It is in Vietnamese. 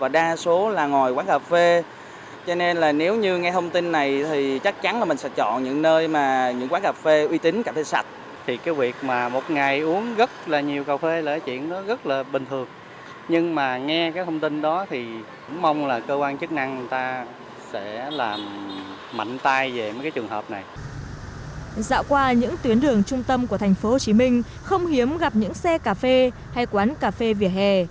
dạo qua những tuyến đường trung tâm của thành phố hồ chí minh không hiếm gặp những xe cà phê hay quán cà phê vỉa hè